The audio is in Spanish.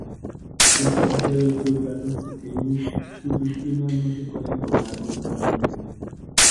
A diferencia de otros gatos pequeños, sus espinas no se pueden doblar bruscamente.